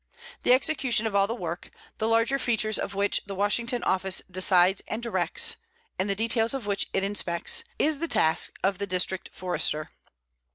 The execution of all the work, the larger features of which the Washington office decides and directs (and the details of which it inspects), is the task of the District Forester.